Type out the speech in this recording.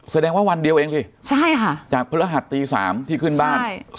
แสดงว่าวันเดียวเองสิใช่ค่ะจากพฤหัสตี๓ที่ขึ้นบ้าน